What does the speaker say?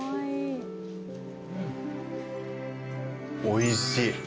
おいしい。